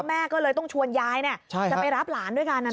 แม่ก็เลยต้องชวนยายจะไปรับหลานด้วยกัน